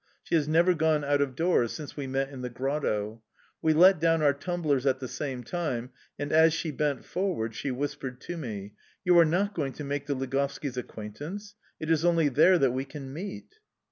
She has never gone out of doors since we met in the grotto. We let down our tumblers at the same time, and as she bent forward she whispered to me: "You are not going to make the Ligovskis' acquaintance?... It is only there that we can meet"...